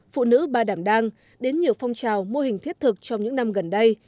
phụ nữ ba đảm đang đến nhiều phong trào mô hình thiết thực trong những năm gần đây